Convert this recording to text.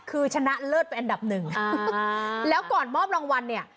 คือชนะเลิศไปอันดับหนึ่งแล้วก่อนมอบรางวัลเนี่ย